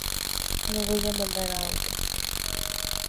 No voy a mandar a otro.